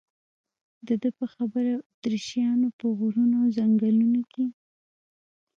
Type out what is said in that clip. د ده په خبره اتریشیانو په غرونو او ځنګلونو کې.